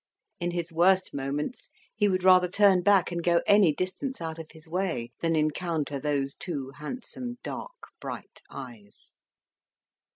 In his worst moments, he would rather turn back, and go any distance out of his way, than encounter those two handsome, dark, bright eyes.